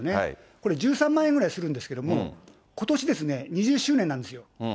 これ、１３万円ぐらいするんですけれども、ことしですね、２０周年なんですよ。